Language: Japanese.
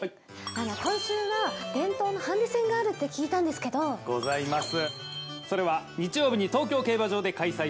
今週は伝統のハンデ戦があるって聞いたんですけどございます